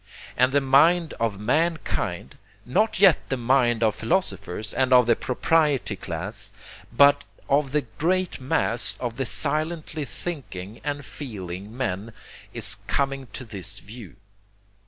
And the mind of mankind not yet the mind of philosophers and of the proprietary class but of the great mass of the silently thinking and feeling men, is coming to this view.